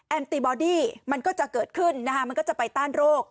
ตีบอดี้มันก็จะเกิดขึ้นนะคะมันก็จะไปต้านโรค